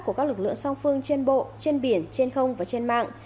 của các lực lượng song phương trên bộ trên biển trên không và trên mạng